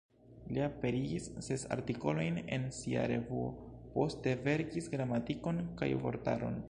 Li aperigis ses artikolojn en sia revuo; poste verkis gramatikon kaj vortaron.